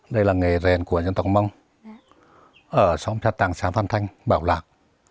đây là nghề rèn của dân tộc mông ở sông trà tàng xã phan thanh bảo lạc